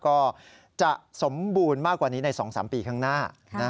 ก็จะสมบูรณ์มากกว่านี้ใน๒๓ปีข้างหน้า